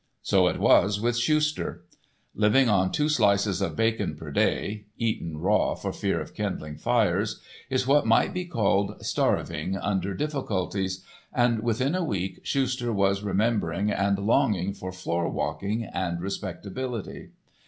So it was with Schuster. Living on two slices of bacon per day (eaten raw for fear of kindling fires) is what might be called starving under difficulties, and within a week Schuster was remembering and longing for floor walking and respectability.